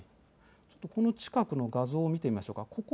この近くの画像を見てみましょうか。